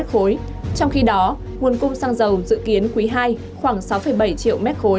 trong khi đó nguồn cung xăng dầu dự kiến quý ii khoảng sáu bảy triệu m ba